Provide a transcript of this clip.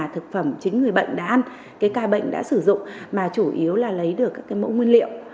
thực phẩm chính người bệnh đã ăn cái ca bệnh đã sử dụng mà chủ yếu là lấy được các cái mẫu nguyên liệu